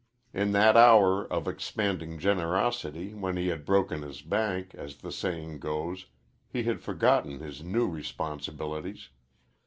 In that hour of expanding generosity when he had broken his bank, as the saying goes, he had forgotten his new responsibilities.